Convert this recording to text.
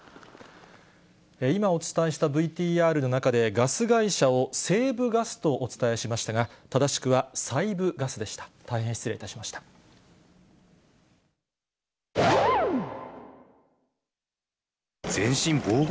今お伝えしたＶＴＲの中で、ガス会社をせいぶガスとお伝えしましたが、正しくはさいぶ